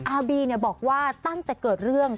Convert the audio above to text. อาบีบอกว่าตั้งแต่เกิดเรื่อง